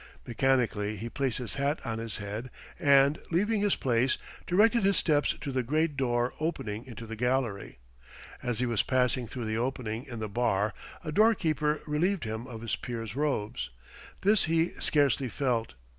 Mechanically he placed his hat on his head, and, leaving his place, directed his steps to the great door opening into the gallery. As he was passing through the opening in the bar, a doorkeeper relieved him of his peer's robes. This he scarcely felt.